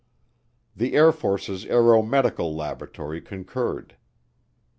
The Air Force's Aeromedical Laboratory concurred.